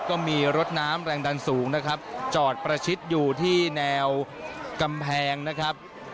ก็มีรถน้ำแรงดันสูงนะครับจอดประชิดอยู่ที่แนวกำแพงนะครับ